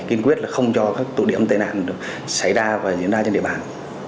kiên quyết là không cho các tụ điểm tên ạn xảy ra và diễn ra trên địa bàn